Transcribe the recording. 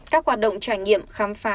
các hoạt động trải nghiệm khám phá